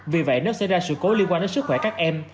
vì vậy nếu xảy ra sự cố liên quan đến sức khỏe các em